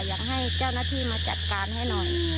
อยากให้เจ้าหน้าที่มาจัดการให้หน่อย